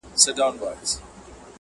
چي غول خورې د پلو خوره دا خوره.